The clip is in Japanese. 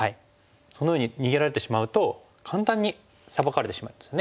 そのように逃げられてしまうと簡単にサバかれてしまうんですね。